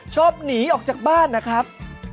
ชอบหนีออกจากบ้านนะครับ